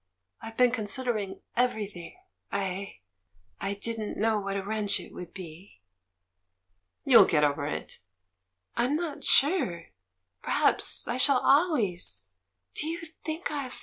I've been considering everything — I — I didn't know what a wrench it would be." "You'll get over it." "I'm not sure? Perhaps I shall always —? Do you think I've ...